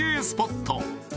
スポット